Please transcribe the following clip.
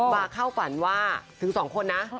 มาเข้าฝันว่าถึง๒คนนะ